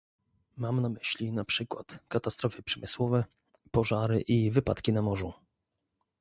Mam na myśli na przykład katastrofy przemysłowe, pożary i wypadki na morzu